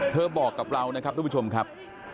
บอกกับเรานะครับทุกผู้ชมครับ